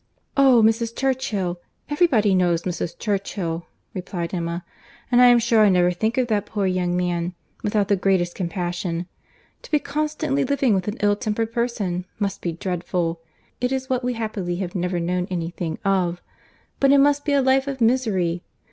"Oh, Mrs. Churchill; every body knows Mrs. Churchill," replied Isabella: "and I am sure I never think of that poor young man without the greatest compassion. To be constantly living with an ill tempered person, must be dreadful. It is what we happily have never known any thing of; but it must be a life of misery.